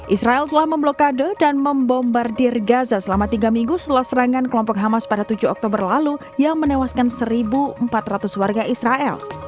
israel telah memblokade dan membombardir gaza selama tiga minggu setelah serangan kelompok hamas pada tujuh oktober lalu yang menewaskan satu empat ratus warga israel